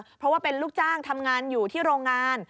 เพราะว่าเป็นลูกจ้างทำงานอยู่ที่โรงงาน